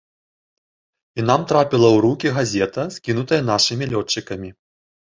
І нам трапіла ў рукі газета, скінутая нашымі лётчыкамі.